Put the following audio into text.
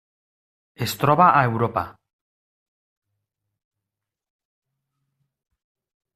Es troba a Europa.